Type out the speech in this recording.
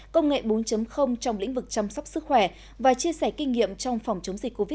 công nghệ bốn trong lĩnh vực chăm sóc sức khỏe và chia sẻ kinh nghiệm trong phòng chống dịch covid một mươi chín